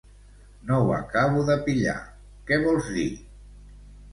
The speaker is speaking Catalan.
No ho acabo de pillar, què vols dir?